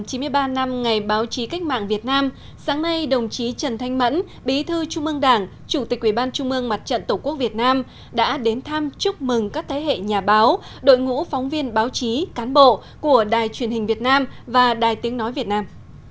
thưa quý vị nhân kỷ niệm chín mươi ba năm ngày báo chí cách mạng việt nam sáng nay đồng chí trần thanh mẫn bí thư trung mương đảng chủ tịch quyền ban trung mương mặt trận tổ quốc việt nam đã đến thăm chúc mừng các thế hệ nhà báo đội ngũ phóng viên báo chí cán bộ của đài truyền hình việt nam và đài tiếng nói việt nam